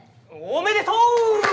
おめでとう！